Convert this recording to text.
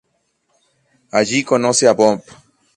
Allí conoce a Bob.